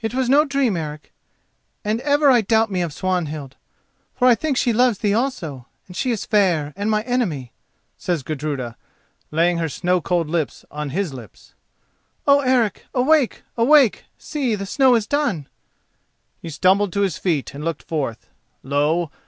"It was no dream, Eric, and ever I doubt me of Swanhild, for I think she loves thee also, and she is fair and my enemy," says Gudruda, laying her snow cold lips on his lips. "Oh, Eric, awake! awake! See, the snow is done." He stumbled to his feet and looked forth. Lo!